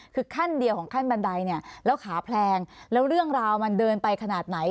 คือขั้นเดียวของขั้นบันไดเนี่ยแล้วขาแพลงแล้วเรื่องราวมันเดินไปขนาดไหน